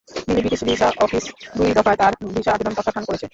দিল্লির British visa office দুই দফায় তাঁর ভিসা আবেদন প্রত্যাখ্যান করেছে।